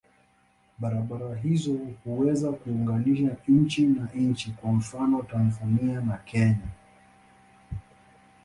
Barabara hizo huweza kuunganisha nchi na nchi, kwa mfano Tanzania na Kenya.